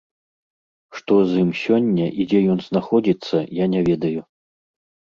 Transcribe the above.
Што з ім сёння і дзе ён знаходзіцца, я не ведаю.